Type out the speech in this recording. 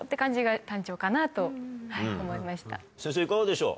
先生いかがでしょう？